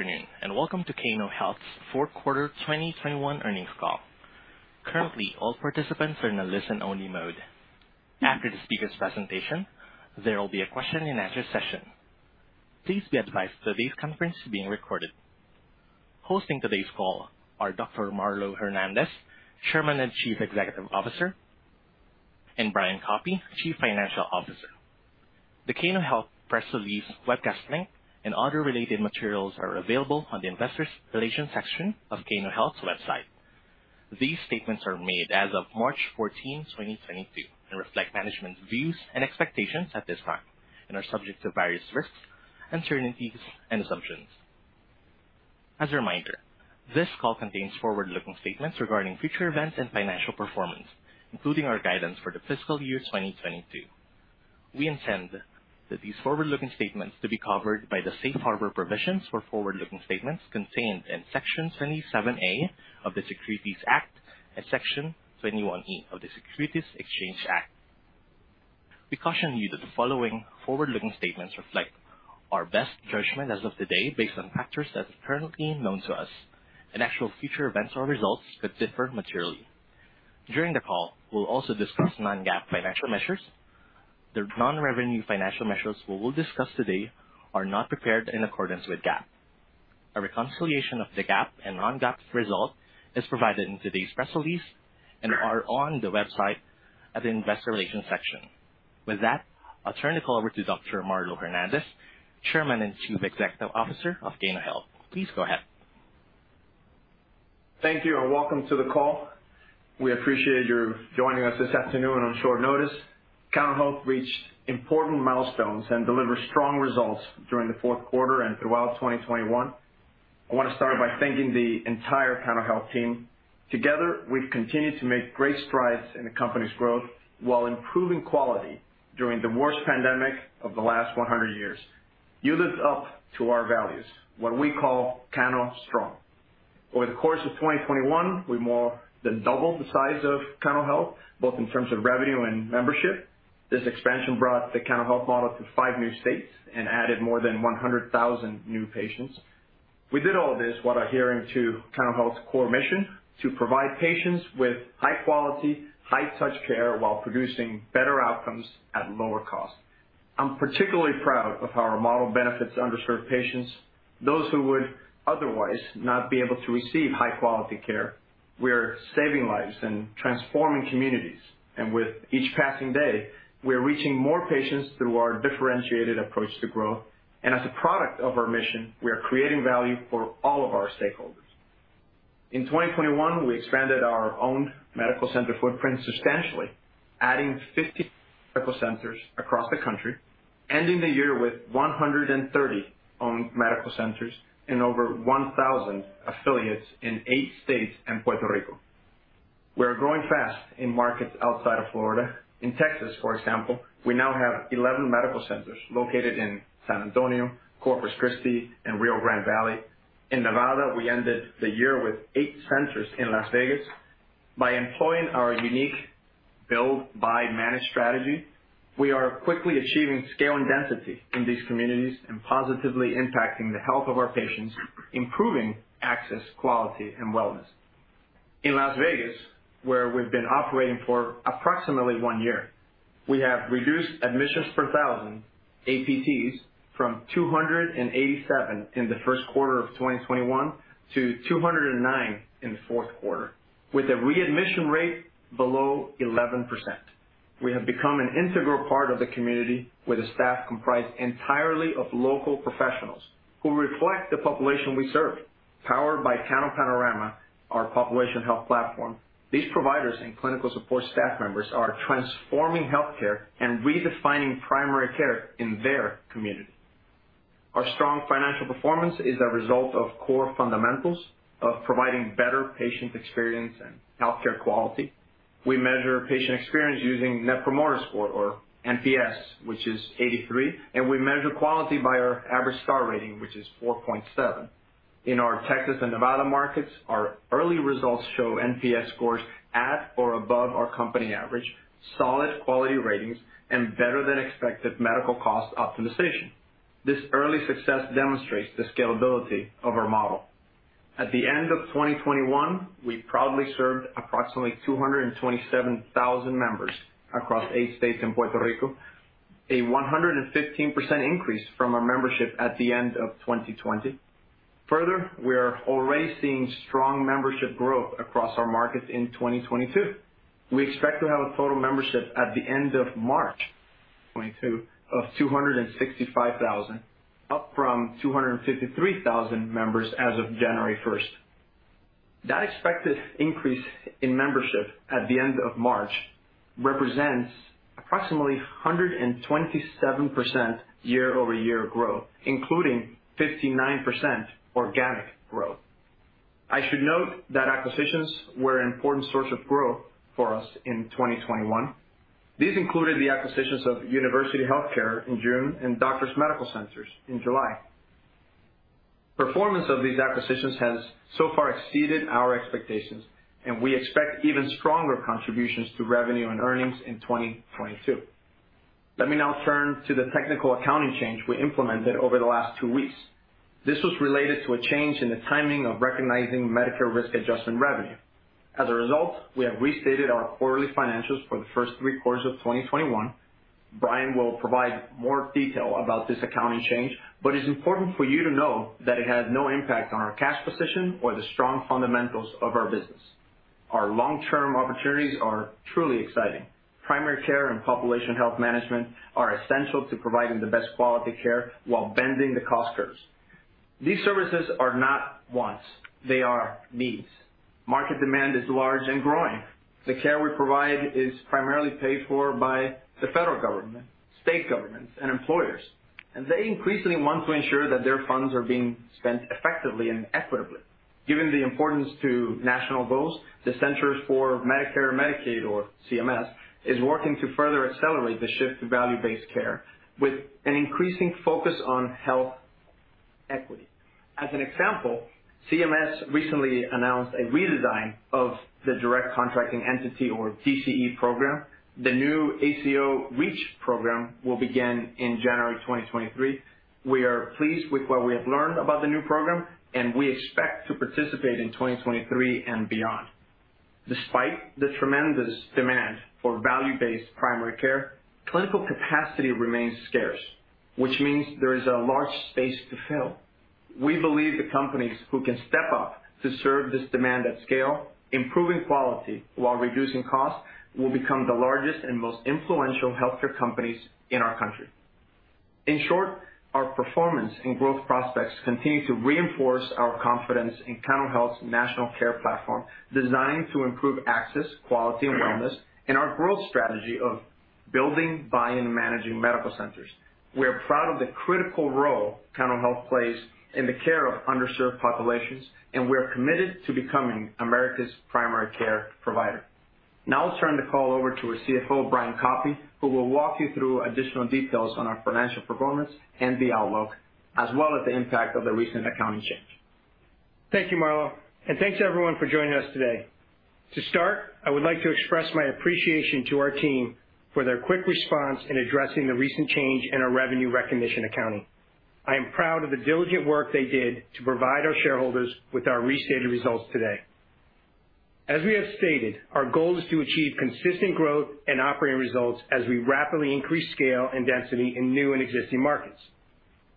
Good afternoon, and welcome to Cano Health's fourth quarter 2021 earnings call. Currently, all participants are in a listen-only mode. After the speaker's presentation, there will be a question-and-answer session. Please be advised that today's conference is being recorded. Hosting today's call are Dr. Marlow Hernandez, Chairman and Chief Executive Officer, and Brian Koppy, Chief Financial Officer. The Cano Health press release webcast link and other related materials are available on the Investor Relations section of Cano Health's website. These statements are made as of March 14, 2022, and reflect management views and expectations at this time and are subject to various risks, uncertainties and assumptions. As a reminder, this call contains forward-looking statements regarding future events and financial performance, including our guidance for the fiscal year 2022. We intend that these forward-looking statements to be covered by the safe harbor provisions for forward-looking statements contained in Section 27A of the Securities Act and Section 21E of the Securities Exchange Act. We caution you that the following forward-looking statements reflect our best judgment as of today based on factors that are currently known to us, and actual future events or results could differ materially. During the call, we'll also discuss non-GAAP financial measures. The non-GAAP financial measures we will discuss today are not prepared in accordance with GAAP. A reconciliation of the GAAP and non-GAAP results is provided in today's press release and are on the website at Investor Relations section. With that, I'll turn the call over to Dr. Marlow Hernandez, Chairman and Chief Executive Officer of Cano Health. Please go ahead. Thank you, and welcome to the call. We appreciate your joining us this afternoon on short notice. Cano Health reached important milestones and delivered strong results during the fourth quarter and throughout 2021. I wanna start by thanking the entire Cano Health team. Together, we've continued to make great strides in the company's growth while improving quality during the worst pandemic of the last 100 years. You lived up to our values, what we call Cano Strong. Over the course of 2021, we more than doubled the size of Cano Health, both in terms of revenue and membership. This expansion brought the Cano Health model to five new states and added more than 100,000 new patients. We did all of this while adhering to Cano Health's core mission to provide patients with high-quality, high-touch care while producing better outcomes at lower cost. I'm particularly proud of how our model benefits underserved patients, those who would otherwise not be able to receive high-quality care. We're saving lives and transforming communities. With each passing day, we are reaching more patients through our differentiated approach to growth. As a product of our mission, we are creating value for all of our stakeholders. In 2021, we expanded our own medical center footprint substantially, adding 50 medical centers across the country, ending the year with 130 owned medical centers and over 1,000 affiliates in eight states and Puerto Rico. We are growing fast in markets outside of Florida. In Texas, for example, we now have 11 medical centers located in San Antonio, Corpus Christi, and Rio Grande Valley. In Nevada, we ended the year with eight centers in Las Vegas. By employing our unique build-by-manage strategy, we are quickly achieving scale and density in these communities and positively impacting the health of our patients, improving access, quality, and wellness. In Las Vegas, where we've been operating for approximately one year, we have reduced admissions per thousand APTs from 287 in the first quarter of 2021 to 209 in the fourth quarter, with a readmission rate below 11%. We have become an integral part of the community with a staff comprised entirely of local professionals who reflect the population we serve. Powered by CanoPanorama, our population health platform, these providers and clinical support staff members are transforming healthcare and redefining primary care in their community. Our strong financial performance is a result of core fundamentals of providing better patient experience and healthcare quality. We measure patient experience using Net Promoter Score, or NPS, which is 83, and we measure quality by our average star rating, which is 4.7. In our Texas and Nevada markets, our early results show NPS scores at or above our company average, solid quality ratings, and better than expected medical cost optimization. This early success demonstrates the scalability of our model. At the end of 2021, we proudly served approximately 227,000 members across eight states and Puerto Rico, a 115% increase from our membership at the end of 2020. Further, we are already seeing strong membership growth across our markets in 2022. We expect to have a total membership at the end of March 2022 of 265,000, up from 253,000 members as of January 1. That expected increase in membership at the end of March represents approximately 127% year-over-year growth, including 59% organic growth. I should note that acquisitions were an important source of growth for us in 2021. These included the acquisitions of University Health Care in June and Doctor's Medical Center in July. Performance of these acquisitions has so far exceeded our expectations, and we expect even stronger contributions to revenue and earnings in 2022. Let me now turn to the technical accounting change we implemented over the last two weeks. This was related to a change in the timing of recognizing Medicare Risk Adjustment revenue. As a result, we have restated our quarterly financials for the first three quarters of 2021. Brian will provide more detail about this accounting change, but it's important for you to know that it had no impact on our cash position or the strong fundamentals of our business. Our long-term opportunities are truly exciting. Primary care and population health management are essential to providing the best quality care while bending the cost curves. These services are not wants, they are needs. Market demand is large and growing. The care we provide is primarily paid for by the federal government, state governments, and employers, and they increasingly want to ensure that their funds are being spent effectively and equitably. Given the importance to national goals, the Centers for Medicare & Medicaid Services, or CMS, is working to further accelerate the shift to value-based care with an increasing focus on health equity. As an example, CMS recently announced a redesign of the Direct Contracting Entity, or DCE program. The new ACO REACH program will begin in January 2023. We are pleased with what we have learned about the new program, and we expect to participate in 2023 and beyond. Despite the tremendous demand for value-based primary care, clinical capacity remains scarce, which means there is a large space to fill. We believe the companies who can step up to serve this demand at scale, improving quality while reducing costs, will become the largest and most influential healthcare companies in our country. In short, our performance and growth prospects continue to reinforce our confidence in Cano Health's national care platform, designed to improve access, quality, and wellness, and our growth strategy of building, buying, and managing medical centers. We are proud of the critical role Cano Health plays in the care of underserved populations, and we are committed to becoming America's primary care provider. Now I'll turn the call over to our CFO, Brian Koppy, who will walk you through additional details on our financial performance and the outlook, as well as the impact of the recent accounting change. Thank you, Marlow, and thanks everyone for joining us today. To start, I would like to express my appreciation to our team for their quick response in addressing the recent change in our revenue recognition accounting. I am proud of the diligent work they did to provide our shareholders with our restated results today. As we have stated, our goal is to achieve consistent growth and operating results as we rapidly increase scale and density in new and existing markets.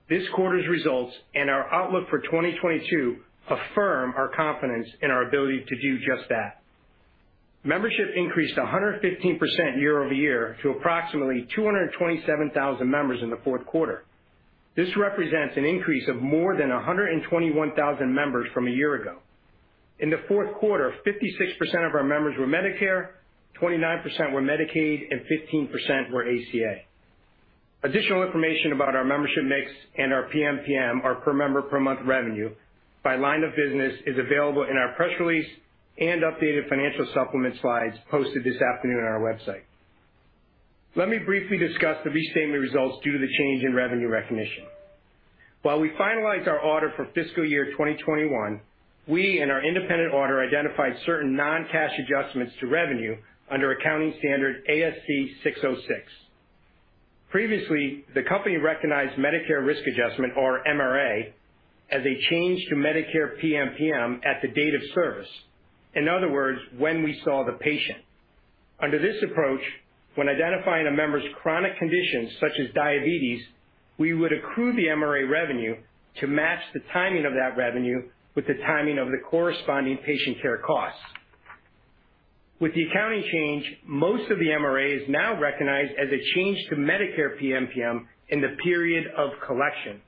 This quarter's results and our outlook for 2022 affirm our confidence in our ability to do just that. Membership increased 115% year-over-year to approximately 227,000 members in the fourth quarter. This represents an increase of more than 121,000 members from a year ago. In the fourth quarter, 56% of our members were Medicare, 29% were Medicaid, and 15% were ACA. Additional information about our membership mix and our PMPM, our per member per month revenue, by line of business, is available in our press release and updated financial supplement slides posted this afternoon on our website. Let me briefly discuss the restatement results due to the change in revenue recognition. While we finalized our audit for fiscal year 2021, we and our independent auditor identified certain non-cash adjustments to revenue under accounting standard ASC 606. Previously, the company recognized Medicare Risk Adjustment, or MRA, as a change to Medicare PMPM at the date of service. In other words, when we saw the patient. Under this approach, when identifying a member's chronic conditions, such as diabetes, we would accrue the MRA revenue to match the timing of that revenue with the timing of the corresponding patient care costs. With the accounting change, most of the MRA is now recognized as a change to Medicare PMPM in the period of collection.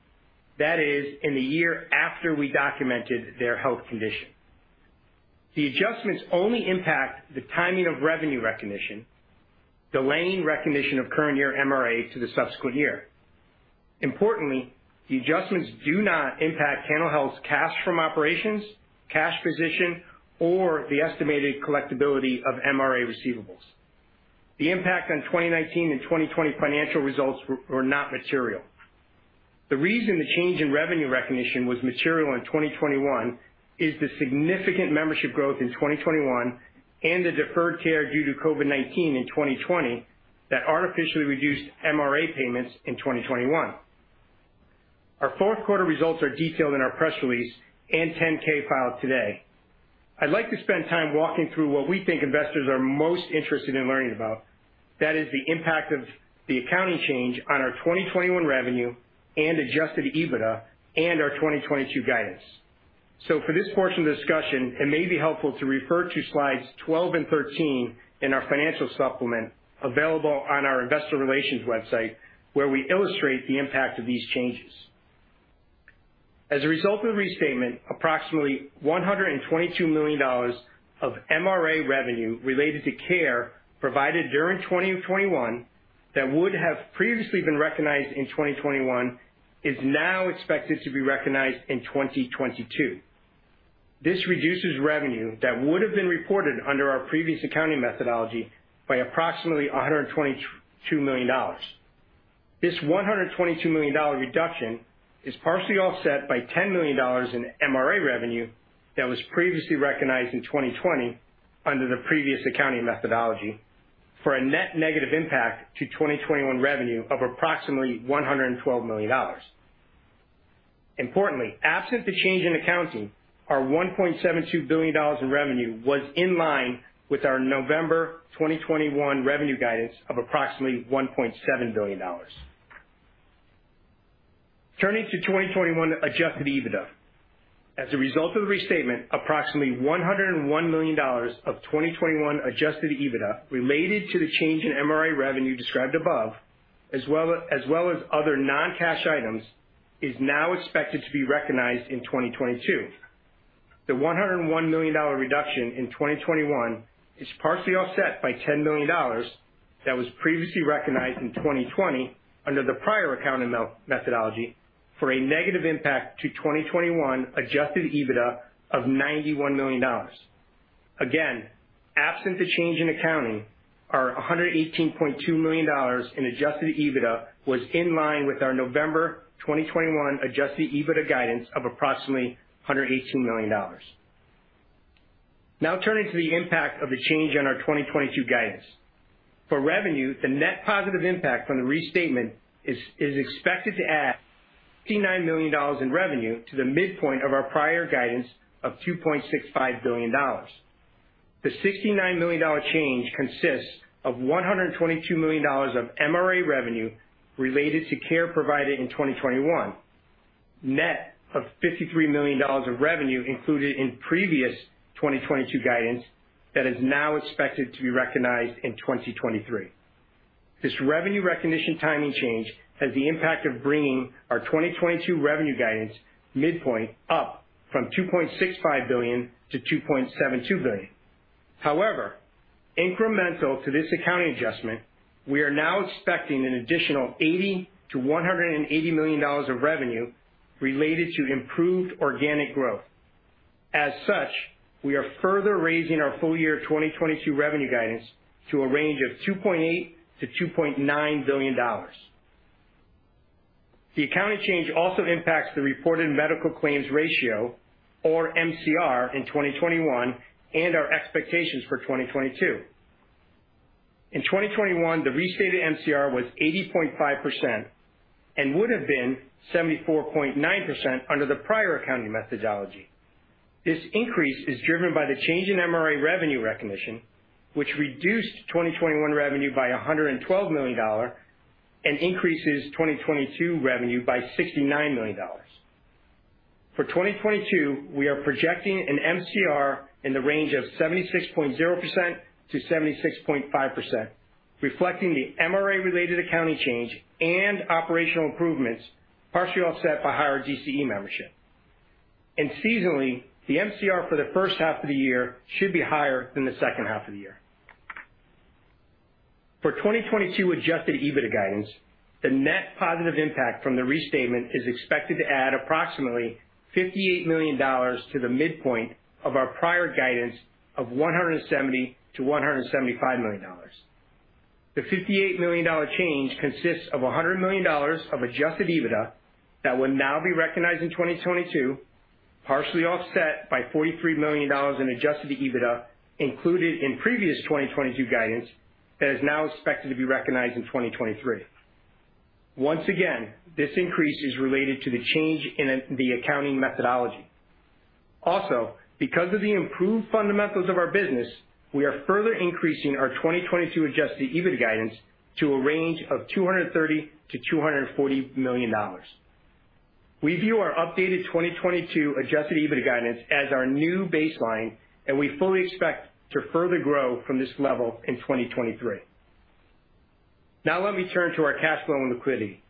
That is, in the year after we documented their health condition. The adjustments only impact the timing of revenue recognition, delaying recognition of current year MRA to the subsequent year. Importantly, the adjustments do not impact Cano Health's cash from operations, cash position, or the estimated collectibility of MRA receivables. The impact on 2019 and 2020 financial results were not material. The reason the change in revenue recognition was material in 2021 is the significant membership growth in 2021 and the deferred care due to COVID-19 in 2020 that artificially reduced MRA payments in 2021. Our fourth quarter results are detailed in our press release and 10-K filed today. I'd like to spend time walking through what we think investors are most interested in learning about. That is the impact of the accounting change on our 2021 revenue and adjusted EBITDA and our 2022 guidance. For this portion of the discussion, it may be helpful to refer to slides 12 and 13 in our financial supplement available on our investor relations website, where we illustrate the impact of these changes. As a result of the restatement, approximately $122 million of MRA revenue related to care provided during 2021 that would have previously been recognized in 2021 is now expected to be recognized in 2022. This reduces revenue that would have been reported under our previous accounting methodology by approximately $122 million. This $122 million reduction is partially offset by $10 million in MRA revenue that was previously recognized in 2020 under the previous accounting methodology, for a net negative impact to 2021 revenue of approximately $112 million. Importantly, absent the change in accounting, our $1.72 billion in revenue was in line with our November 2021 revenue guidance of approximately $1.7 billion. Turning to 2021 adjusted EBITDA. As a result of the restatement, approximately $101 million of 2021 adjusted EBITDA related to the change in MRA revenue described above, as well as other non-cash items, is now expected to be recognized in 2022. The $101 million reduction in 2021 is partially offset by $10 million that was previously recognized in 2020 under the prior accounting methodology for a negative impact to 2021 adjusted EBITDA of $91 million. Again, absent the change in accounting, our $118.2 million in adjusted EBITDA was in line with our November 2021 adjusted EBITDA guidance of approximately $118 million. Now turning to the impact of the change on our 2022 guidance. For revenue, the net positive impact from the restatement is expected to add $69 million in revenue to the midpoint of our prior guidance of $2.65 billion. The $69 million change consists of $122 million of MRA revenue related to care provided in 2021, net of $53 million of revenue included in previous 2022 guidance that is now expected to be recognized in 2023. This revenue recognition timing change has the impact of bringing our 2022 revenue guidance midpoint up from $2.65 billion to $2.72 billion. However, incremental to this accounting adjustment, we are now expecting an additional $80 million-$180 million of revenue related to improved organic growth. As such, we are further raising our full year 2022 revenue guidance to a range of $2.8 billion-$2.9 billion. The accounting change also impacts the reported medical claims ratio, or MCR, in 2021, and our expectations for 2022. In 2021, the restated MCR was 80.5% and would have been 74.9% under the prior accounting methodology. This increase is driven by the change in MRA revenue recognition, which reduced 2021 revenue by $112 million and increases 2022 revenue by $69 million. For 2022, we are projecting an MCR in the range of 76.0%-76.5%, reflecting the MRA related accounting change and operational improvements, partially offset by higher DCE membership. Seasonally, the MCR for the H1 of the year should be higher than the H2 of the year. For 2022 adjusted EBITDA guidance, the net positive impact from the restatement is expected to add approximately $58 million to the midpoint of our prior guidance of $170 million-$175 million. The $58 million change consists of $100 million of adjusted EBITDA that will now be recognized in 2022, partially offset by $43 million in adjusted EBITDA included in previous 2022 guidance that is now expected to be recognized in 2023. Once again, this increase is related to the change in the accounting methodology. Because of the improved fundamentals of our business, we are further increasing our 2022 adjusted EBITDA guidance to a range of $230 million-$240 million. We view our updated 2022 adjusted EBITDA guidance as our new baseline, and we fully expect to further grow from this level in 2023. Now let me turn to our cash flow and liquidity.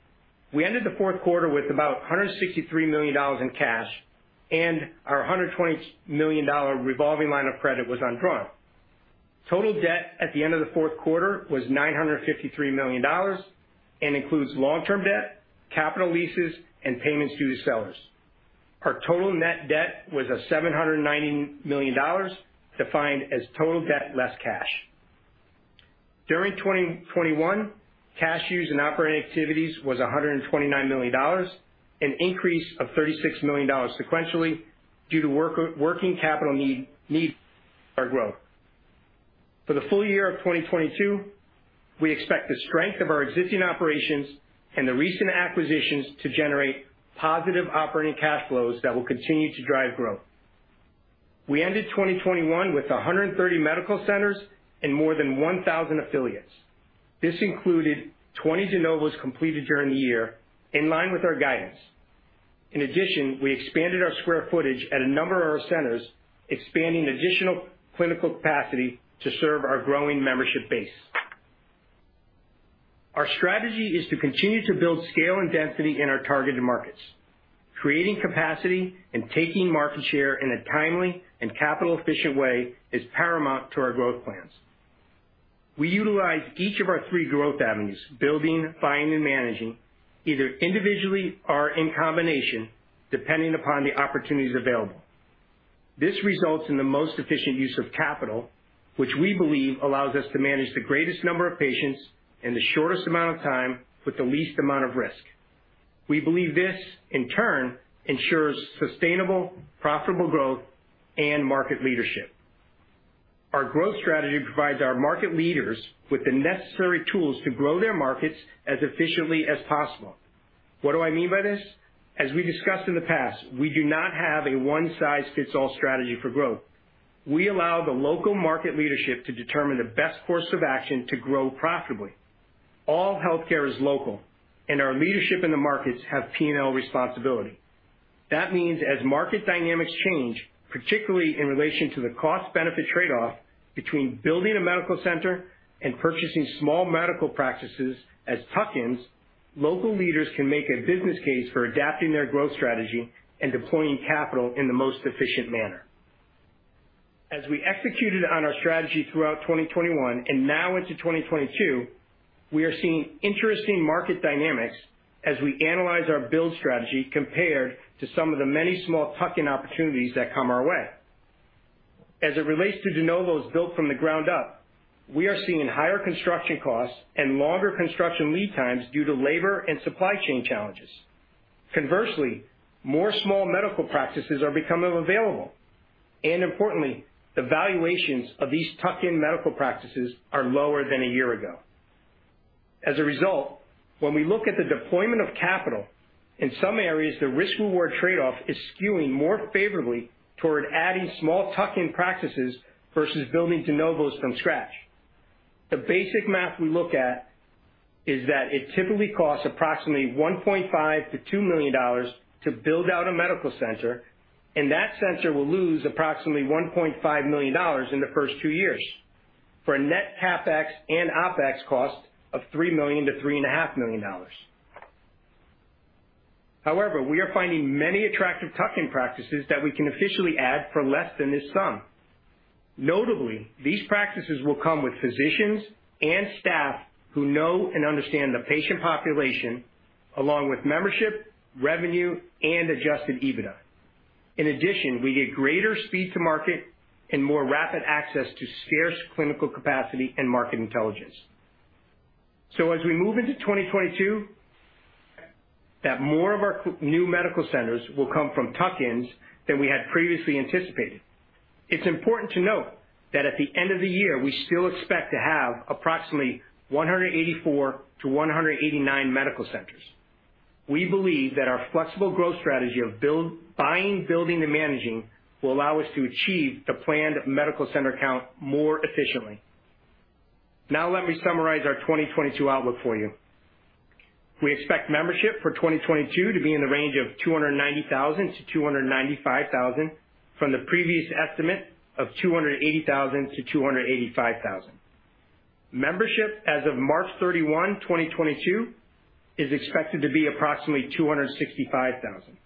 We ended the fourth quarter with about $163 million in cash and our $120 million revolving line of credit was undrawn. Total debt at the end of the fourth quarter was $953 million and includes long-term debt, capital leases, and payments due to sellers. Our total net debt was $790 million, defined as total debt less cash. During 2021, cash use in operating activities was $129 million, an increase of $36 million sequentially due to working capital needs for our growth. For the full year of 2022, we expect the strength of our existing operations and the recent acquisitions to generate positive operating cash flows that will continue to drive growth. We ended 2021 with 130 medical centers and more than 1,000 affiliates. This included 20 de novos completed during the year, in line with our guidance. In addition, we expanded our square footage at a number of our centers, expanding additional clinical capacity to serve our growing membership base. Our strategy is to continue to build scale and density in our targeted markets. Creating capacity and taking market share in a timely and capital efficient way is paramount to our growth plans. We utilize each of our three growth avenues, building, buying, and managing, either individually or in combination, depending upon the opportunities available. This results in the most efficient use of capital, which we believe allows us to manage the greatest number of patients in the shortest amount of time with the least amount of risk. We believe this, in turn, ensures sustainable, profitable growth and market leadership. Our growth strategy provides our market leaders with the necessary tools to grow their markets as efficiently as possible. What do I mean by this? As we discussed in the past, we do not have a one-size-fits-all strategy for growth. We allow the local market leadership to determine the best course of action to grow profitably. All healthcare is local, and our leadership in the markets have P&L responsibility. That means as market dynamics change, particularly in relation to the cost-benefit trade-off between building a medical center and purchasing small medical practices as tuck-ins, local leaders can make a business case for adapting their growth strategy and deploying capital in the most efficient manner. As we executed on our strategy throughout 2021 and now into 2022, we are seeing interesting market dynamics as we analyze our build strategy compared to some of the many small tuck-in opportunities that come our way. As it relates to de novos built from the ground up, we are seeing higher construction costs and longer construction lead times due to labor and supply chain challenges. Conversely, more small medical practices are becoming available, and importantly, the valuations of these tuck-in medical practices are lower than a year ago. As a result, when we look at the deployment of capital, in some areas, the risk-reward trade-off is skewing more favorably toward adding small tuck-in practices versus building de novos from scratch. The basic math we look at is that it typically costs approximately $1.5 million-$2 million to build out a medical center, and that center will lose approximately $1.5 million in the first two years for a net CapEx and OpEx cost of $3 million-$3.5 million. However, we are finding many attractive tuck-in practices that we can officially add for less than this sum. Notably, these practices will come with physicians and staff who know and understand the patient population, along with membership, revenue, and adjusted EBITDA. In addition, we get greater speed to market and more rapid access to scarce clinical capacity and market intelligence. As we move into 2022, that more of our new medical centers will come from tuck-ins than we had previously anticipated. It's important to note that at the end of the year, we still expect to have approximately 184-189 medical centers. We believe that our flexible growth strategy of buying, building, and managing will allow us to achieve the planned medical center count more efficiently. Now let me summarize our 2022 outlook for you. We expect membership for 2022 to be in the range of 290,000-295,000 from the previous estimate of 280,000-285,000. Membership as of March 31, 2022, is expected to be approximately 265,000.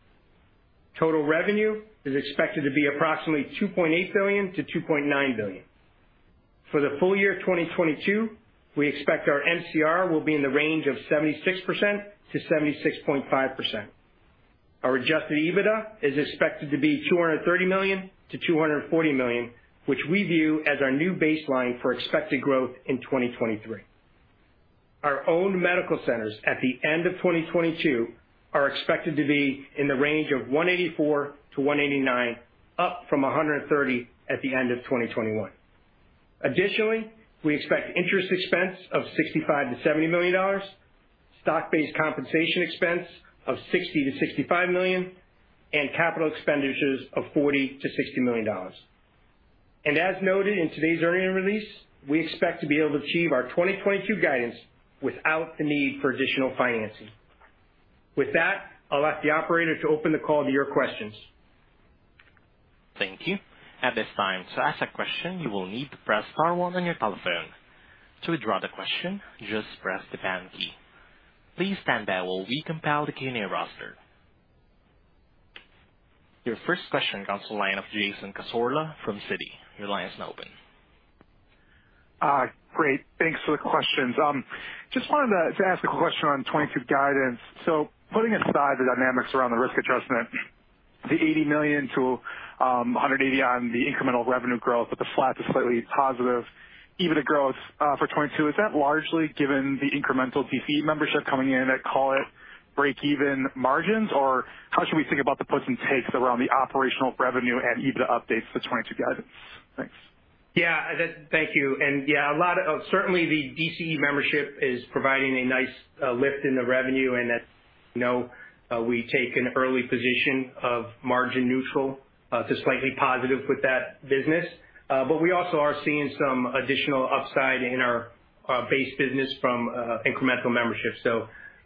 Total revenue is expected to be approximately $2.8 billion-$2.9 billion. For the full year 2022, we expect our MCR will be in the range of 76%-76.5%. Our adjusted EBITDA is expected to be $230 million-$240 million, which we view as our new baseline for expected growth in 2023. Our own medical centers at the end of 2022 are expected to be in the range of 184-189, up from 130 at the end of 2021. Additionally, we expect interest expense of $65 million-$70 million, stock-based compensation expense of $60 million-$65 million, and capital expenditures of $40 million-$60 million. As noted in today's earnings release, we expect to be able to achieve our 2022 guidance without the need for additional financing. With that, I'll ask the operator to open the call to your questions. Thank you. At this time, to ask a question, you will need to press star one on your telephone. To withdraw the question, just press the pound key. Please stand by while we compile the Q&A roster. Your first question comes from the line of Jason Cassorla from Citi. Your line is now open. Great. Thanks for the questions. Just wanted to ask a question on 2022 guidance. Putting aside the dynamics around the risk adjustment, the $80 million-$180 million on the incremental revenue growth, but the flat to slightly positive EBITDA growth for 2022, is that largely given the incremental DCE membership coming in at, call it, breakeven margins? Or how should we think about the puts and takes around the operational revenue and EBITDA updates for 2022 guidance? Thanks. Thank you. Certainly the DCE membership is providing a nice lift in the revenue. As you know, we take an early position of margin neutral to slightly positive with that business. We also are seeing some additional upside in our base business from incremental membership.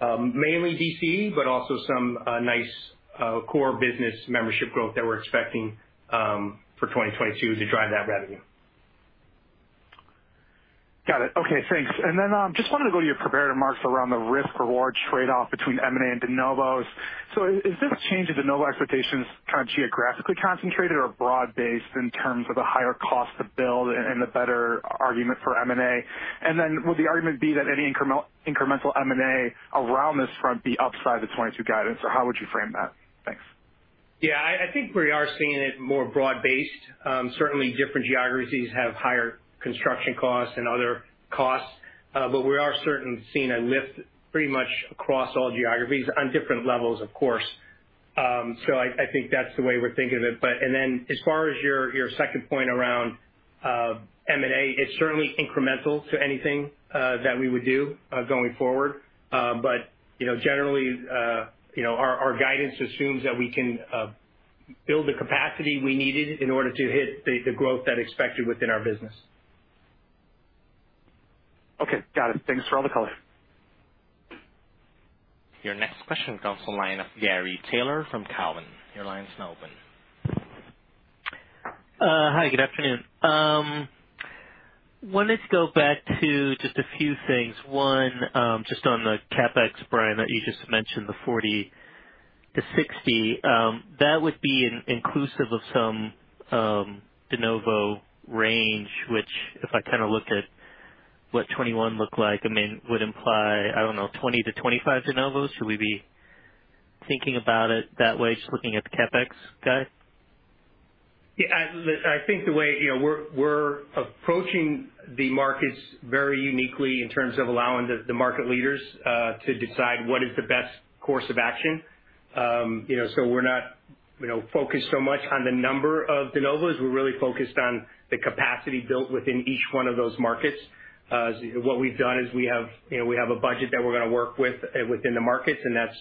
Mainly DCE, but also some nice core business membership growth that we're expecting for 2022 to drive that revenue. Got it. Okay, thanks. Just wanted to go to your prepared remarks around the risk reward trade-off between M&A and de novos. Is this change of de novo expectations kind of geographically concentrated or broad-based in terms of the higher cost to build and the better argument for M&A? Would the argument be that any incremental M&A around this front be upside the 22 guidance, or how would you frame that? Thanks. Yeah, I think we are seeing it more broad-based. Certainly different geographies have higher construction costs and other costs. We are certainly seeing a lift pretty much across all geographies on different levels, of course. I think that's the way we're thinking of it. As far as your second point around M&A, it's certainly incremental to anything that we would do going forward. You know, generally, you know, our guidance assumes that we can build the capacity we needed in order to hit the growth that's expected within our business. Okay. Got it. Thanks for all the color. Your next question comes from the line of Gary Taylor from Cowen. Your line's now open. Hi, good afternoon. I wanted to go back to just a few things. One, just on the CapEx, Brian, that you just mentioned, the 40-60, that would be inclusive of some de novo range, which if I kinda looked at what 2021 looked like, I mean, would imply, I don't know, 20-25 de novos. Should we be thinking about it that way, just looking at the CapEx guide? Yeah, I think the way, you know, we're approaching the markets very uniquely in terms of allowing the market leaders to decide what is the best course of action. You know, we're not, you know, focused so much on the number of de novos. We're really focused on the capacity built within each one of those markets. What we've done is we have a budget that we're gonna work with within the markets, and that's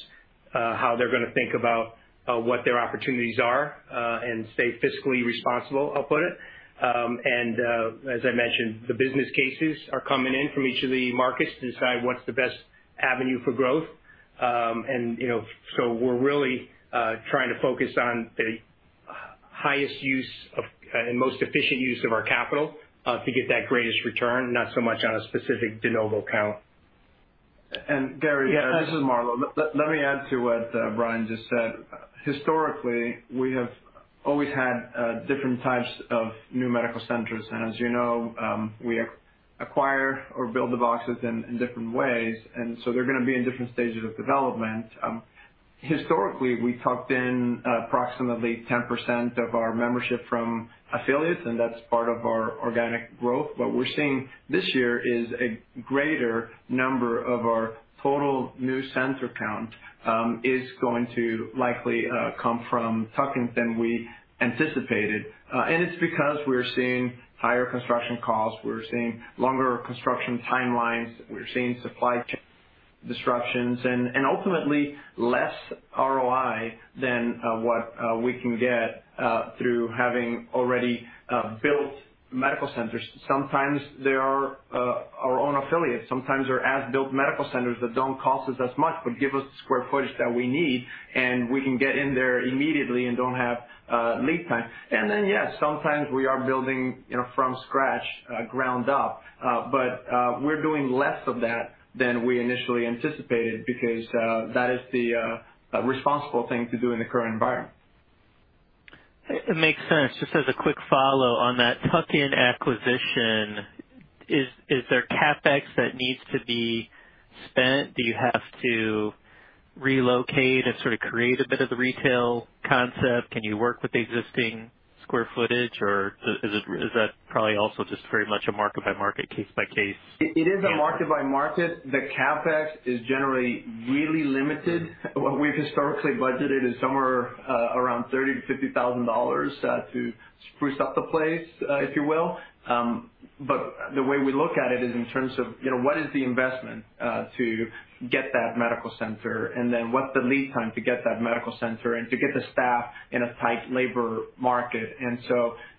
how they're gonna think about what their opportunities are and stay fiscally responsible, I'll put it. As I mentioned, the business cases are coming in from each of the markets to decide what's the best avenue for growth. You know, we're really trying to focus on the highest use and most efficient use of our capital to get that greatest return, not so much on a specific de novo count. Gary- Yeah. This is Marlow Hernandez. Let me add to what Brian Koppy just said. Historically, we have always had different types of new medical centers. As you know, we acquire or build the boxes in different ways, and so they're gonna be in different stages of development. Historically, we tucked in approximately 10% of our membership from affiliates, and that's part of our organic growth. What we're seeing this year is a greater number of our total new center count is going to likely come from tuck-ins than we anticipated. It's because we're seeing higher construction costs. We're seeing longer construction timelines. We're seeing supply chain disruptions and ultimately less ROI than what we can get through having already built medical centers. Sometimes they are our own affiliates. Sometimes they're as-built medical centers that don't cost us as much, but give us the square footage that we need, and we can get in there immediately and don't have lead time. Yes, sometimes we are building, you know, from scratch, ground up. We're doing less of that than we initially anticipated because that is the responsible thing to do in the current environment. It makes sense. Just as a quick follow on that tuck-in acquisition, is there CapEx that needs to be spent? Do you have to relocate and sort of create a bit of the retail concept? Can you work with existing square footage, or is it that probably also just very much a market-by-market, case-by-case? It is a market by market. The CapEx is generally really limited. What we've historically budgeted is somewhere around $30,000-$50,000 to spruce up the place, if you will. The way we look at it is in terms of, you know, what is the investment to get that medical center, and then what's the lead time to get that medical center and to get the staff in a tight labor market.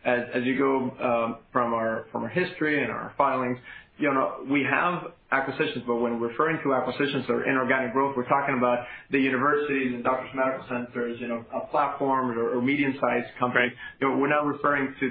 As you go from our history and our filings, you know, we have acquisitions, but when referring to acquisitions or inorganic growth, we're talking about the University Health Care and Doctor's Medical Center, you know, platforms or medium-sized companies. You know, we're not referring to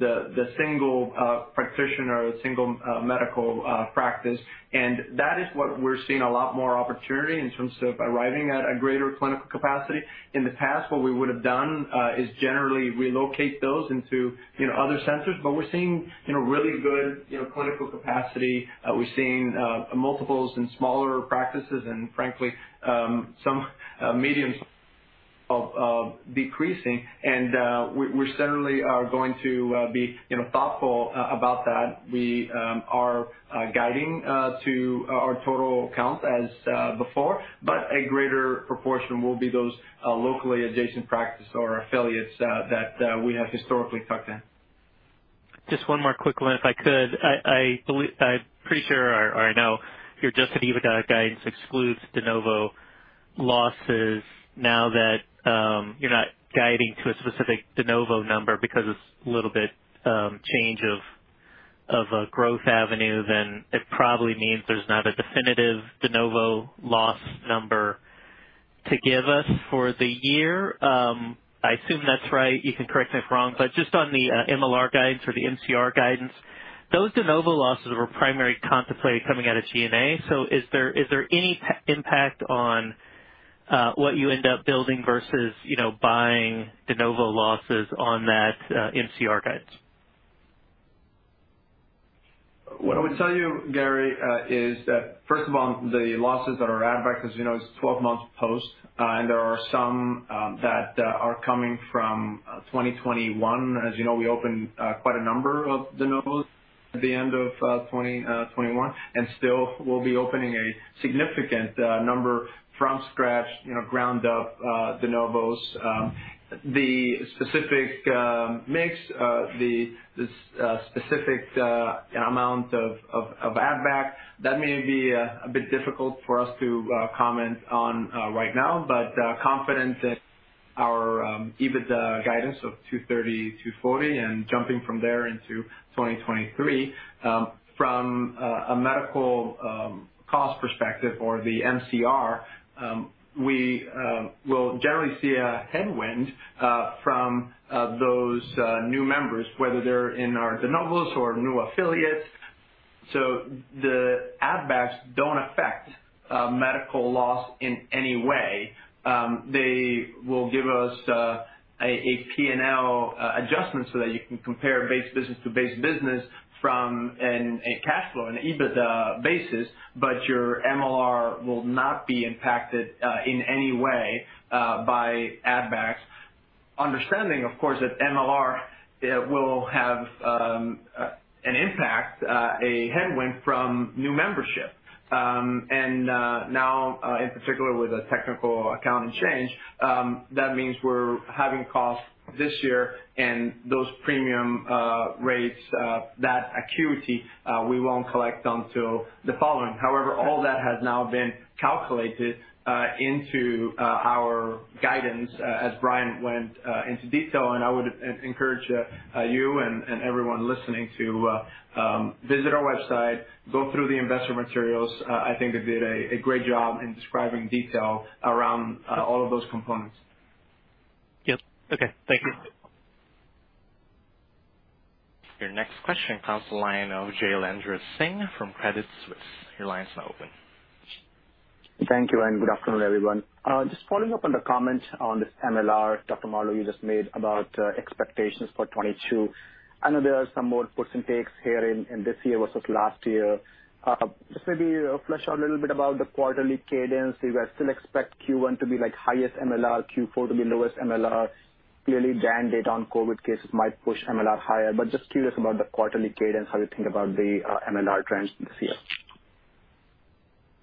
the single practitioner or single medical practice. That is what we're seeing a lot more opportunity in terms of arriving at a greater clinical capacity. In the past, what we would've done is generally relocate those into, you know, other centers. We're seeing, you know, really good, you know, clinical capacity. We're seeing multiples in smaller practices and frankly, some method of decreasing. We certainly are going to be, you know, thoughtful about that. We are guiding to our total count as before, but a greater proportion will be those locally adjacent practice or affiliates that we have historically tucked in. Just one more quick one, if I could. I'm pretty sure or I know your adjusted EBITDA guidance excludes de novo losses. Now that you're not guiding to a specific de novo number because it's a little bit change of a growth avenue, then it probably means there's not a definitive de novo loss number to give us for the year. I assume that's right. You can correct me if I'm wrong. Just on the MLR guidance or the MCR guidance, those de novo losses were primarily contemplated coming out of G&A. Is there any impact on what you end up building versus, you know, buying de novo losses on that MCR guidance? What I would tell you, Gary, is that first of all, the losses that are add back, as you know, is 12 months post, and there are some that are coming from 2021. As you know, we opened quite a number of de novos at the end of 2021, and still we'll be opening a significant number from scratch, you know, ground up de novos. The specific mix, the specific amount of add back, that may be a bit difficult for us to comment on right now, but confident in our EBITDA guidance of 230-240, and jumping from there into 2023. From a medical cost perspective or the MCR, we will generally see a headwind from those new members, whether they're in our de novos or new affiliates. The add backs don't affect medical loss in any way. They will give us a P&L adjustment so that you can compare base business to base business from a cash flow, an EBITDA basis, but your MLR will not be impacted in any way by add backs. Understanding, of course, that MLR will have an impact, a headwind from new membership. Now, in particular with a technical accounting change, that means we're having costs this year and those premium rates, that acuity, we won't collect until the following. However, all that has now been calculated into our guidance as Brian went into detail. I would encourage you and everyone listening to visit our website, go through the investor materials. I think they did a great job in describing detail around all of those components. Yes. Okay. Thank you. Your next question comes to the line of Shailendra Singh from Credit Suisse. Your line is now open. Thank you, and good afternoon, everyone. Just following up on the comments on this MLR, Dr. Marlow, you just made about expectations for 2022. I know there are some more puts and takes here in this year versus last year. Just maybe flesh out a little bit about the quarterly cadence. Do you guys still expect Q1 to be like highest MLR, Q4 to be lowest MLR? Clearly, down data on COVID cases might push MLR higher, but just curious about the quarterly cadence, how you think about the MLR trends this year.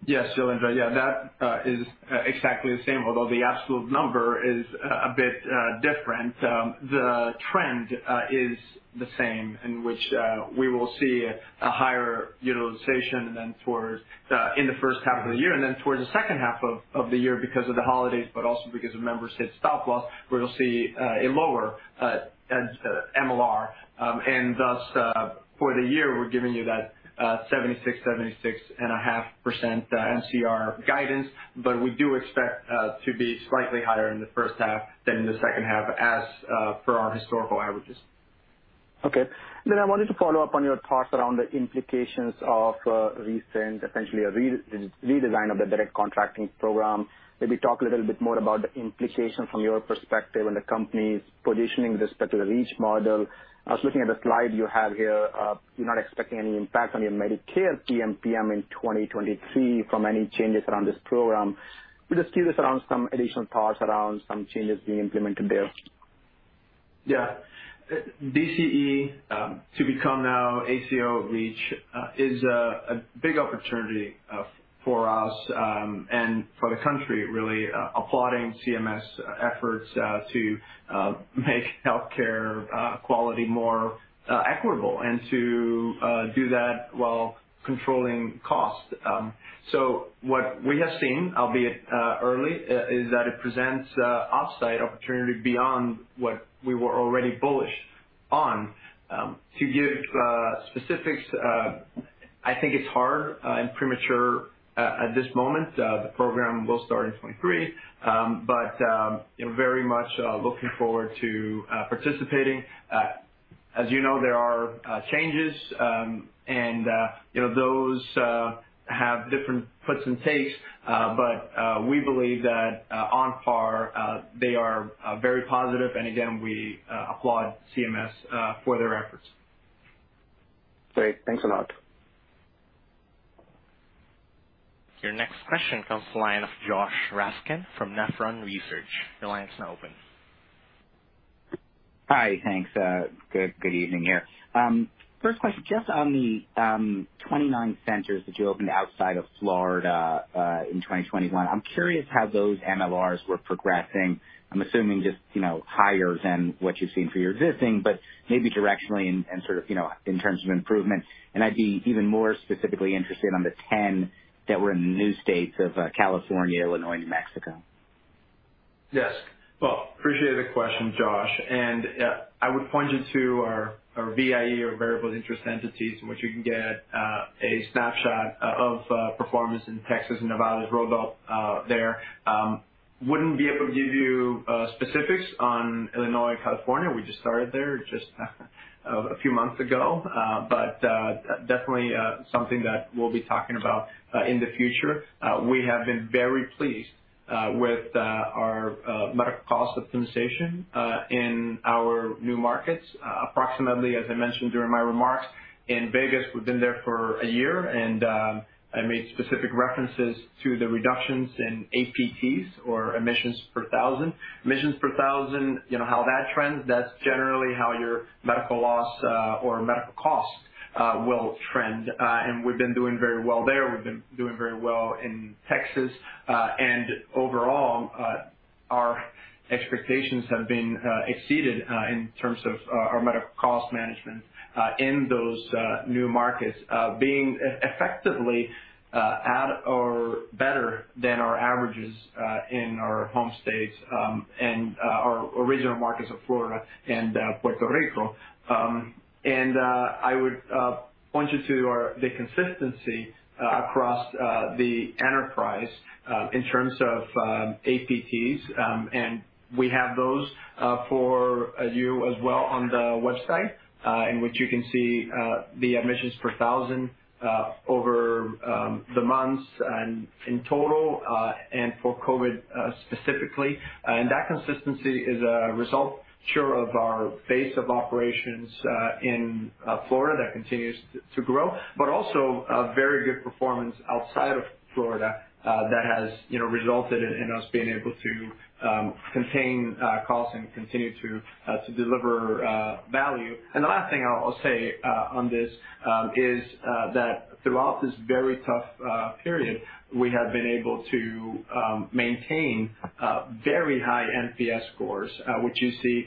Yes, Shailendra. Yeah, that is exactly the same. Although the absolute number is a bit different, the trend is the same in which we will see a higher utilization than towards in the H1 of the year, and then towards the H2 of the year because of the holidays, but also because of members hit stop loss, we'll see a lower MLR. And thus, for the year, we're giving you that 76.5% MCR guidance. We do expect to be slightly higher in the H1 than in the H2 as per our historical averages. Okay. I wanted to follow up on your thoughts around the implications of recent, essentially a redesign of the Direct Contracting program. Maybe talk a little bit more about the implications from your perspective and the company's positioning with respect to the REACH model. I was looking at the slide you have here. You're not expecting any impact on your Medicare PMPM in 2023 from any changes around this program. We're just curious around some additional thoughts around some changes being implemented there. Yeah. DCE to become now ACO REACH is a big opportunity for us and for the country really, applauding CMS efforts to make healthcare quality more equitable and to do that while controlling cost. What we have seen, albeit early, is that it presents an upside opportunity beyond what we were already bullish on. To give specifics, I think it's hard and premature at this moment. The program will start in 2023. You know, very much looking forward to participating. As you know, there are changes and you know those have different puts and takes, but we believe that on par they are very positive. Again, we applaud CMS for their efforts. Great. Thanks a lot. Your next question comes to the line of Josh Raskin from Nephron Research. Your line is now open. Hi. Thanks. Good evening here. First question, just on the 29 centers that you opened outside of Florida in 2021, I'm curious how those MLRs were progressing. I'm assuming just, you know, higher than what you've seen for your existing, but maybe directionally and sort of, you know, in terms of improvement. I'd be even more specifically interested on the 10 that were in the new states of California, Illinois, New Mexico. Yes. Well, I appreciate the question, Josh. I would point you to our VIE or variable interest entities in which you can get a snapshot of performance in Texas and Nevada as rollout there. Wouldn't be able to give you specifics on Illinois, California. We just started there a few months ago. Definitely something that we'll be talking about in the future. We have been very pleased with our medical cost optimization in our new markets. Approximately, as I mentioned during my remarks, in Vegas, we've been there for a year and I made specific references to the reductions in APTs or admissions per thousand. Admissions per thousand, you know how that trends, that's generally how your medical loss or medical costs will trend. We've been doing very well there. We've been doing very well in Texas. Overall, our expectations have been exceeded in terms of our medical cost management in those new markets being effectively at or better than our averages in our home states and our original markets of Florida and Puerto Rico. I would point you to the consistency across the enterprise in terms of APTs, and we have those for you as well on the website in which you can see the admissions per thousand over the months and in total, and for COVID specifically. That consistency is a result sure of our base of operations in Florida that continues to grow, but also a very good performance outside of Florida that has, you know, resulted in us being able to contain costs and continue to deliver value. The last thing I'll say on this is that throughout this very tough period, we have been able to maintain very high NPS scores, which you see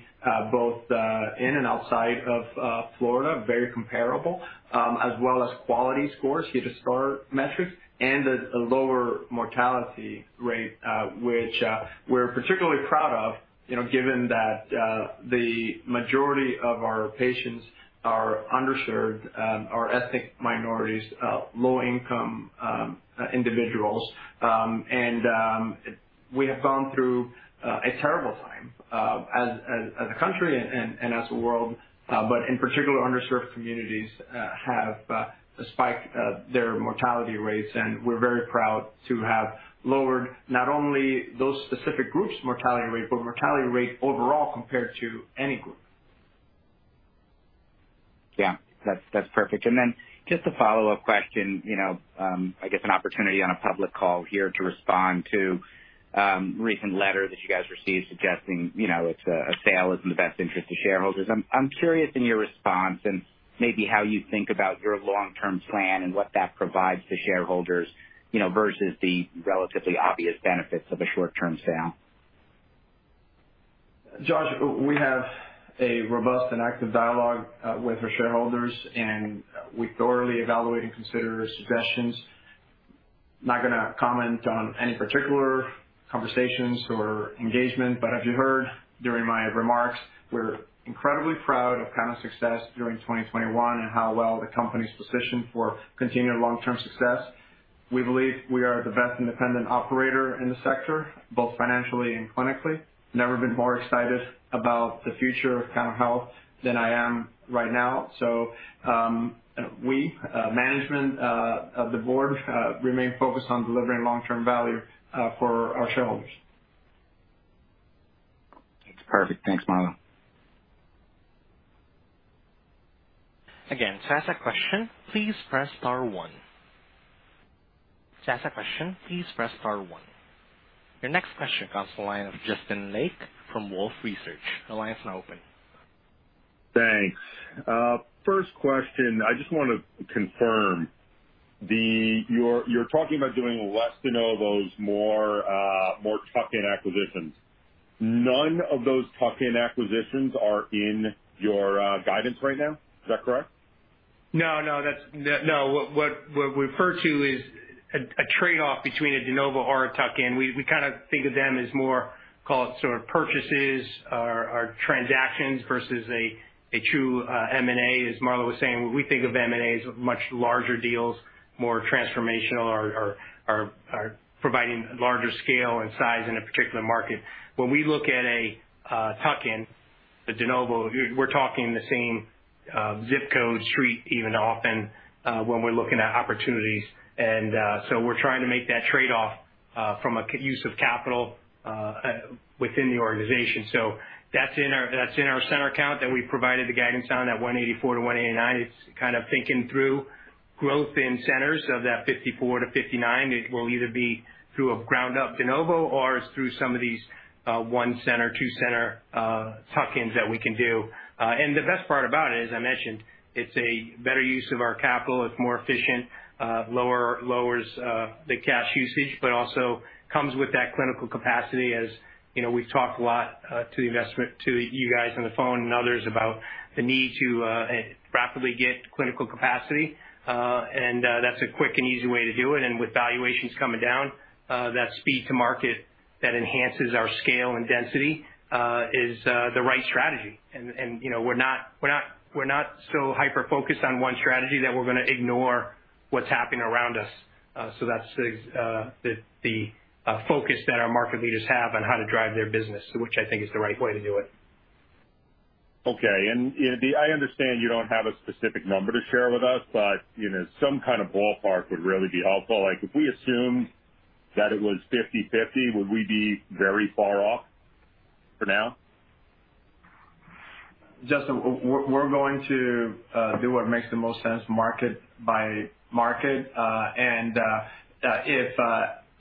both in and outside of Florida, very comparable as well as quality scores, HCAHPS score metrics, and a lower mortality rate, which we're particularly proud of, you know, given that the majority of our patients are underserved, are ethnic minorities, low income individuals. We have gone through a terrible time as a country and as a world, but in particular, underserved communities have spiked their mortality rates. We're very proud to have lowered not only those specific groups' mortality rate, but mortality rate overall compared to any group. Yeah, that's perfect. Then just a follow-up question, you know. I guess an opportunity on a public call here to respond to recent letter that you guys received suggesting, you know, that a sale is in the best interest of shareholders. I'm curious about your response and maybe how you think about your long-term plan and what that provides to shareholders, you know, versus the relatively obvious benefits of a short-term sale. Josh, we have a robust and active dialogue with our shareholders, and we thoroughly evaluate and consider suggestions. Not gonna comment on any particular conversations or engagement, but as you heard during my remarks, we're incredibly proud of Cano Health's success during 2021 and how well the company's positioned for continued long-term success. We believe we are the best independent operator in the sector, both financially and clinically. Never been more excited about the future of Cano Health than I am right now. Management and the board remain focused on delivering long-term value for our shareholders. It's perfect. Thanks, Marlow. Your next question comes from the line of Justin Lake from Wolfe Research. The line is now open. Thanks. First question, I just wanna confirm that you're talking about doing less de novos, more tuck-in acquisitions. None of those tuck-in acquisitions are in your guidance right now. Is that correct? No, that's what we refer to is a trade-off between a de novo or a tuck-in. We kind of think of them as more, call it, sort of purchases or transactions versus a true M&A. As Marlo was saying, we think of M&A as much larger deals, more transformational or providing larger scale and size in a particular market. When we look at a tuck-in, the de novo, we're talking the same zip code, street even often when we're looking at opportunities. We're trying to make that trade-off from a use of capital within the organization. That's in our center count that we provided the guidance on that 184-189. It's kind of thinking through growth in centers of that 54-59. It will either be through a ground up de novo or it's through some of these, one center, two center, tuck-ins that we can do. The best part about it, as I mentioned, it's a better use of our capital. It's more efficient, lowers the cash usage, but also comes with that clinical capacity. As you know, we've talked a lot to you guys on the phone and others about the need to rapidly get clinical capacity. That's a quick and easy way to do it. With valuations coming down, that speed to market that enhances our scale and density is the right strategy. You know, we're not so hyper-focused on one strategy that we're gonna ignore what's happening around us. That's the focus that our market leaders have on how to drive their business, which I think is the right way to do it. Okay. And, I understand you don't have a specific number to share with us, but, you know, some kind of ballpark would really be helpful. Like, if we assume that it was 50/50, would we be very far off for now? Justin, we're going to do what makes the most sense market by market. If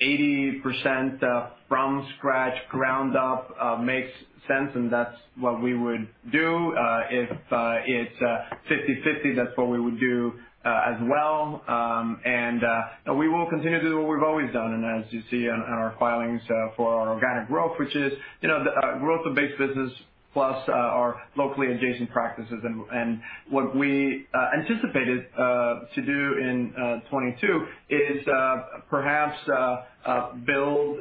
80% from scratch, ground up, makes sense, then that's what we would do. If it's 50/50, that's what we would do as well. We will continue to do what we've always done. As you see on our filings for our organic growth, which is, you know, the growth of base business plus our locally adjacent practices. What we anticipated to do in 2022 is perhaps build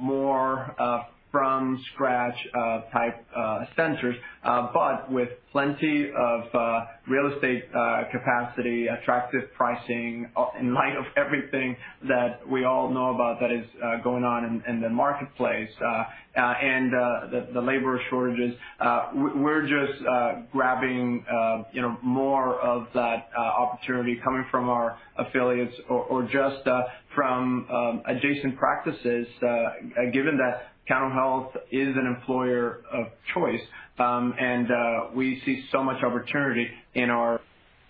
more from scratch type centers but with plenty of real estate capacity, attractive pricing. In light of everything that we all know about that is going on in the marketplace and the labor shortages, we're just grabbing, you know, more of that opportunity coming from our affiliates or just from adjacent practices, given that Cano Health is an employer of choice, and we see so much opportunity in our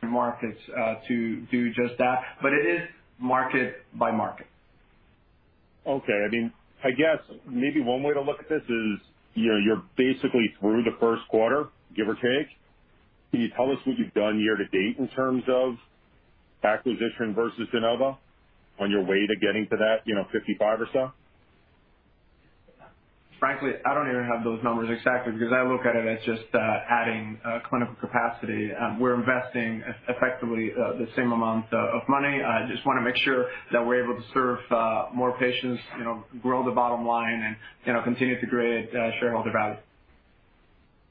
markets to do just that. It is market by market. Okay. I mean, I guess maybe one way to look at this is, you know, you're basically through the first quarter, give or take. Can you tell us what you've done year to date in terms of acquisition versus de novo on your way to getting to that, you know, 55 or so? Frankly, I don't even have those numbers exactly because I look at it as just adding clinical capacity. We're investing effectively the same amount of money. I just wanna make sure that we're able to serve more patients, you know, grow the bottom line and, you know, continue to create shareholder value.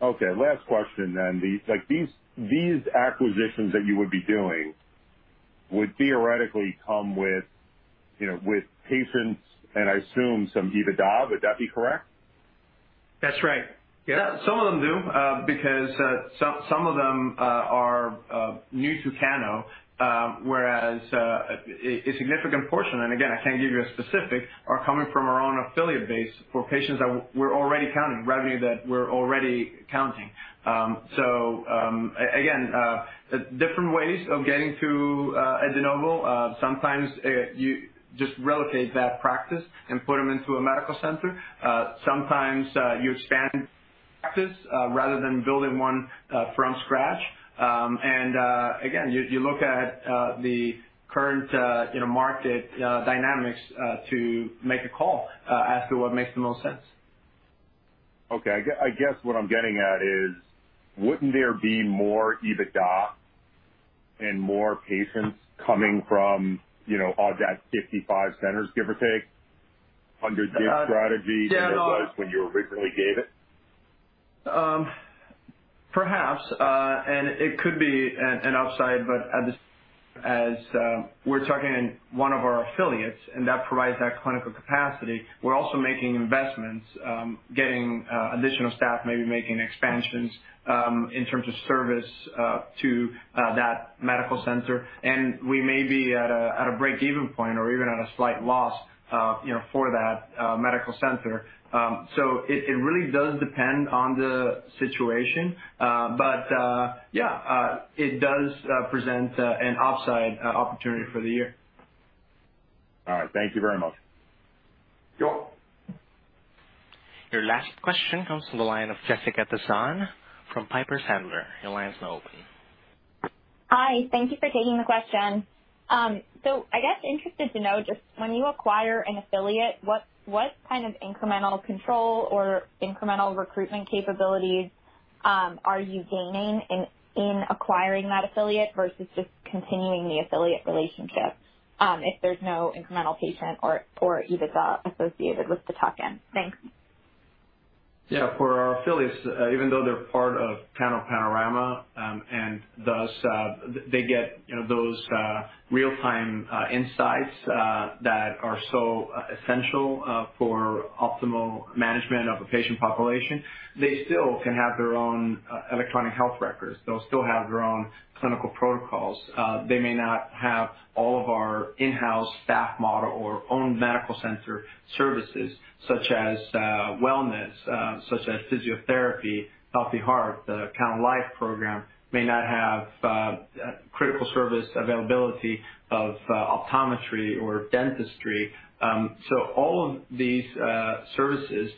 Okay. Last question then. These acquisitions that you would be doing would theoretically come with, you know, with patients and I assume some EBITDA, would that be correct? That's right. Yeah, some of them do, because some of them are new to Cano, whereas a significant portion, and again, I can't give you a specific, are coming from our own affiliate base for patients that we're already counting, revenue that we're already counting. Again, different ways of getting to a de novo. Sometimes you just relocate that practice and put them into a medical center. Sometimes you expand practice rather than building one from scratch. Again, you look at the current you know market dynamics to make a call as to what makes the most sense. Okay. I guess what I'm getting at is, wouldn't there be more EBITDA and more patients coming from, you know, of that 55 centers, give or take, under this strategy? Uh, Dan- than it was when you originally gave it? Perhaps it could be an upside, but as we're talking one of our affiliates, and that provides that clinical capacity. We're also making investments, getting additional staff, maybe making expansions, in terms of service to that medical center. We may be at a break-even point or even at a slight loss, you know, for that medical center. It really does depend on the situation. Yeah, it does present an upside opportunity for the year. All right. Thank you very much. Sure. Your last question comes from the line of Jessica Tassan from Piper Sandler. Your line's now open. Hi. Thank you for taking the question. I'm interested to know just when you acquire an affiliate, what kind of incremental control or incremental recruitment capabilities are you gaining in acquiring that affiliate versus just continuing the affiliate relationship, if there's no incremental patient or EBITDA associated with the tuck-in? Thanks. Yeah. For our affiliates, even though they're part of CanoPanorama, and thus, they get, you know, those real-time insights that are so essential for optimal management of a patient population, they still can have their own electronic health records. They'll still have their own clinical protocols. They may not have all of our in-house staff model or own medical center services such as wellness, such as physiotherapy, Healthy Heart, the Cano Life program. They may not have critical service availability of optometry or dentistry. All of these services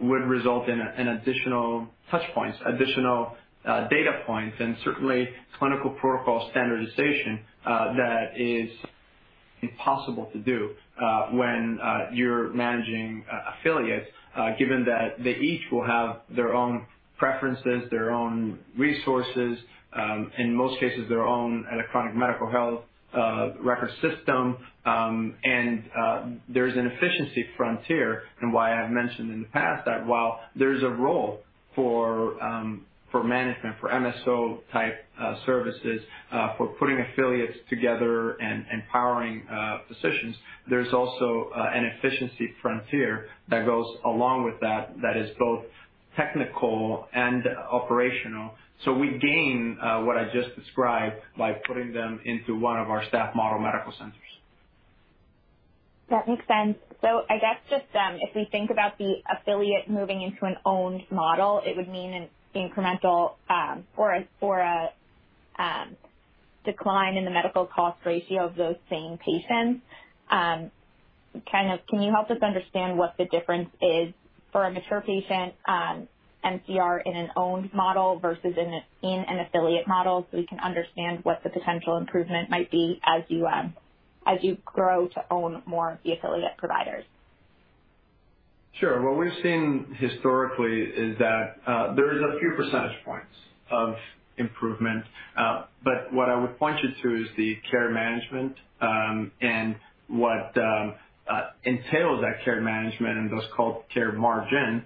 would result in an additional touch points, data points, and certainly clinical protocol standardization that is impossible to do when you're managing affiliates, given that they each will have their own preferences, their own resources, in most cases, their own electronic health record system. There's an efficiency frontier and why I've mentioned in the past that while there's a role for management, for MSO-type services, for putting affiliates together and empowering physicians, there's also an efficiency frontier that goes along with that is both technical and operational. We gain what I just described by putting them into one of our staff model medical centers. That makes sense. I guess just if we think about the affiliate moving into an owned model, it would mean an incremental decline in the medical cost ratio of those same patients. Kind of, can you help us understand what the difference is for a mature patient MCR in an owned model versus in an affiliate model so we can understand what the potential improvement might be as you grow to own more of the affiliate providers? Sure. What we've seen historically is that there is a few percentage points of improvement. What I would point you to is the care management. What entails that care management and what's called care margin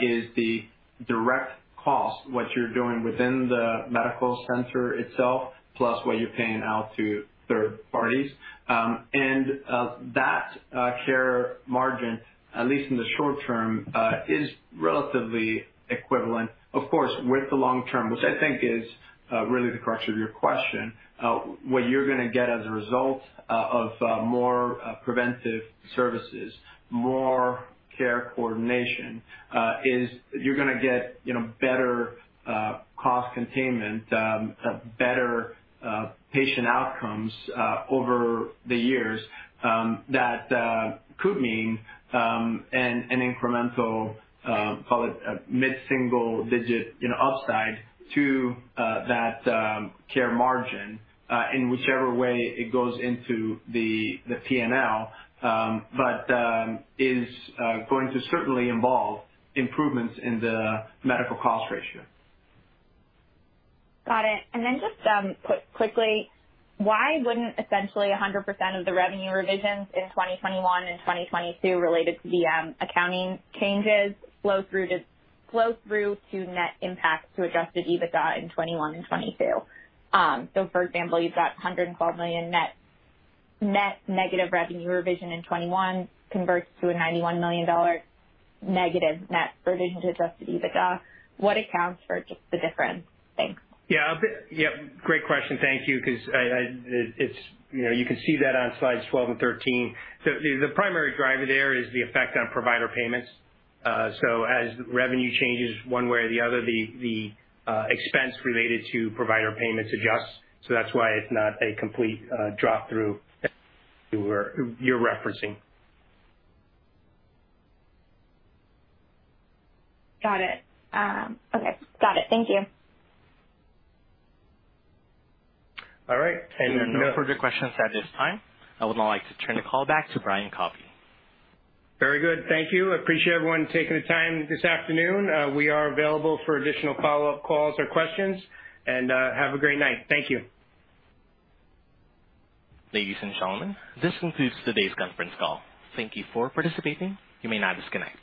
is the direct cost, what you're doing within the medical center itself, plus what you're paying out to third parties. That care margin, at least in the short term, is relatively equivalent. Of course, with the long term, which I think is really the crux of your question, what you're gonna get as a result of more preventive services, more care coordination, is you're gonna get, you know, better cost containment, better patient outcomes over the years. That could mean an incremental, call it a mid-single digit, you know, upside to that care margin in whichever way it goes into the P&L. It is going to certainly involve improvements in the medical cost ratio. Got it. Quickly, why wouldn't essentially 100% of the revenue revisions in 2021 and 2022 related to the accounting changes flow through to net impact to adjusted EBITDA in 2021 and 2022? For example, you've got a $112 million net negative revenue revision in 2021 converts to a $91 million negative net revision to adjusted EBITDA. What accounts for just the difference? Thanks. Great question. Thank you. 'Cause it's, you know, you can see that on slides 12 and 13. The primary driver there is the effect on provider payments. As revenue changes one way or the other, the expense related to provider payments adjusts. That's why it's not a complete drop through that you're referencing. Got it. Okay. Got it. Thank you. All right. There are no further questions at this time. I would now like to turn the call back to Brian Koppy. Very good. Thank you. Appreciate everyone taking the time this afternoon. We are available for additional follow-up calls or questions. Have a great night. Thank you. Ladies and gentlemen, this concludes today's conference call. Thank you for participating. You may now disconnect.